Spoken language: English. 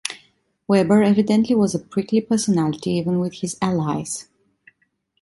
Weber evidently was a prickly personality even with his allies.